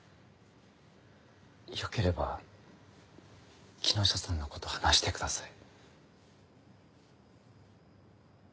よければ木下さんのこと話してください。